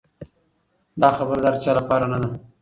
دا خبره د هر چا لپاره نه ده.